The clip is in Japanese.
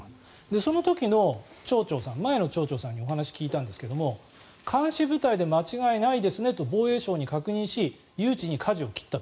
その時の町長さん前の町長さんにお話を聞いたんですが監視部隊で間違いないですね？と防衛省に確認し誘致にかじを切ったと。